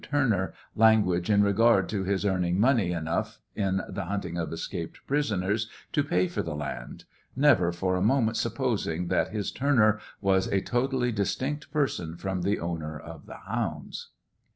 Turner language in legard to his earning monej enough in the hunting of escaped prisoners to pay for the land — never for' i moment supposing that his Turner was a totally distinct person from the ownei of the hounds.